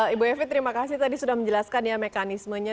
ibu evi terima kasih tadi sudah menjelaskan ya mekanismenya